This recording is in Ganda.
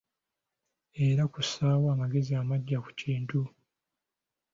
Era kussaawo amagezi amaggya ku kintu.